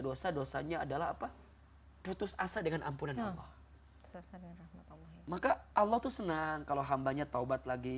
dosa dosanya adalah apa putus asa dengan ampunan allah maka allah tuh senang kalau hambanya taubat lagi